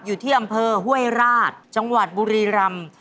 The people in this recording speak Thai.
อยู่ที่อำเภอห้วยราชจังหวัดบุรีรำ